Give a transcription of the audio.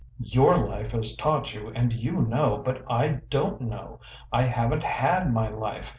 Your life has taught you, and you know, but I don't know. I haven't HAD my life.